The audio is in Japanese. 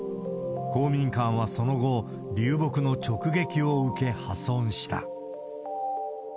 公民館はその後、流木の直撃を受け、破損した。